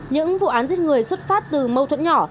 những vụ án giết người xuất phát từ mâu thuẫn nhỏ